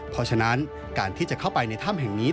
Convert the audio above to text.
เพราะฉะนั้นการที่จะเข้าไปในถ้ำแห่งนี้